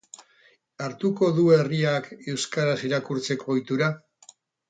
Hartuko du herriak euskaraz irakurtzeko ohitura?